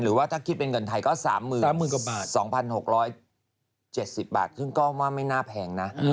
หรือว่าถ้าคิดเป็นเงินไทยก็๓๐๐๐กว่าบาท๒๖๗๐บาทซึ่งก็ว่าไม่น่าแพงนะ